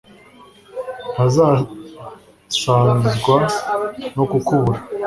ntazasazwa no kukubura